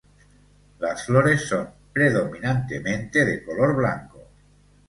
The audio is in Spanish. Las flores son predominantemente de color blanco.